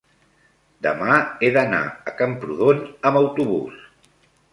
demà he d'anar a Camprodon amb autobús.